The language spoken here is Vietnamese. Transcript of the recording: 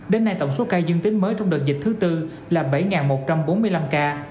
đến nay tổng số ca dương tính mới trong đợt dịch thứ tư là bảy một trăm bốn mươi năm ca